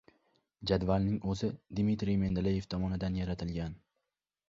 Jadvalning oʻzi Dmitriy Mendeleyev tomonidan yaratilgan.